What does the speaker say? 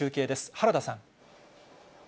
原田さん。